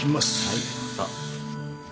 はい。